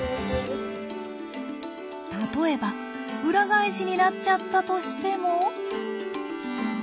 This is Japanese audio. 例えば裏返しになっちゃったとしても。